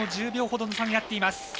１０秒ほどの差になっています。